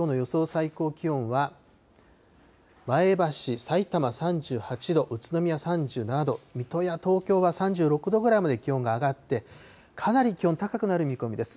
最高気温は前橋、さいたま３８度、宇都宮３７度、水戸や東京は３６度ぐらいまで気温が上がって、かなり気温高くなる見込みです。